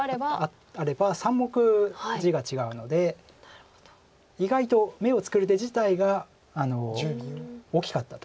あれば３目地が違うので意外と眼を作る手自体が大きかったと。